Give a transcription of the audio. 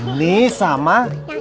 yang ini sama yang itu